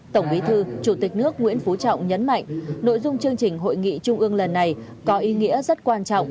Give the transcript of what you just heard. tổng bí thư chủ tịch nước nguyễn phú trọng nhấn mạnh nội dung chương trình hội nghị trung ương lần này có ý nghĩa rất quan trọng